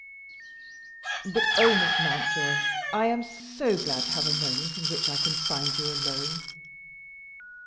"But oh, Miss Mountjoy, I am so glad to have a moment in which I can find you alone!"